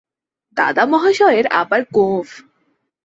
দাদামহাশয়ের আবার গোঁফ!